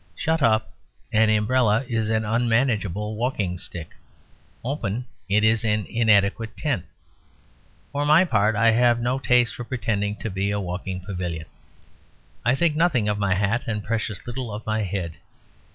Shut up, an umbrella is an unmanageable walking stick; open, it is an inadequate tent. For my part, I have no taste for pretending to be a walking pavilion; I think nothing of my hat, and precious little of my head.